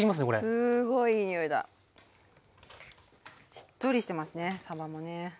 しっとりしてますねさばもね。